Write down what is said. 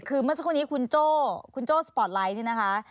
คือเมื่อสักครู่นี้คุณโจ้คุณโจ้สปอร์ตไลท์นี่นะคะ